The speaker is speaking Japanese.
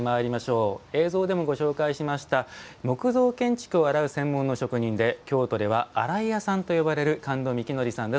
映像でもご紹介しました木造建築を洗う専門の職人で京都では洗い屋さんと呼ばれる神門幹典さんです。